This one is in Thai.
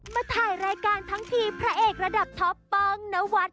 มาถ่ายรายการทั้งทีพระเอกระดับท็อปป้องนวัด